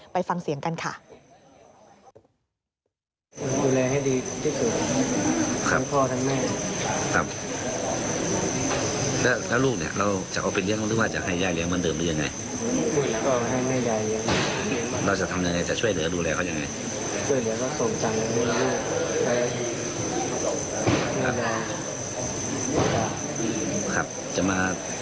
ไปฟังเสียงกันค่ะ